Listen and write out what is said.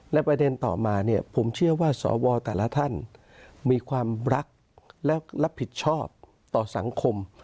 และประเด็นต่อมาเนี่ยผมเชื่อว่าสวแต่ละท่านมีความรักและรับผิดชอบต่อสังคม